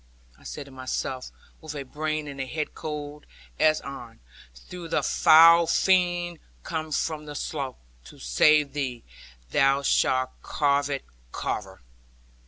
I said to myself with a brain and head cold as iron; 'though the foul fiend come from the slough, to save thee; thou shalt carve it, Carver.'